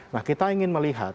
nah kita ingin melihat